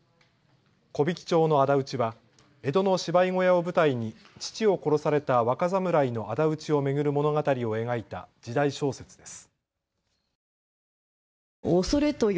木挽町のあだ討ちは江戸の芝居小屋を舞台に父を殺された若侍のあだ討ちを巡る物語を描いた時代小説です。